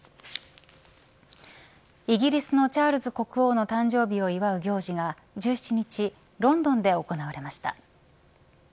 イギリスのチャールズ国王の誕生日を祝う行事が１７日ロンドンで行われました。